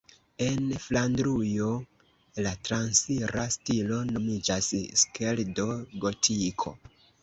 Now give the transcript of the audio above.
En Flandrujo la transira stilo nomiĝas Skeldo-Gotiko.